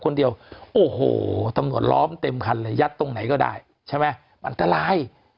คนเดียวโอ้โหตำรวจล้อมเต็มคันเลยยัดตรงไหนก็ได้ใช่ไหมมันอันตราย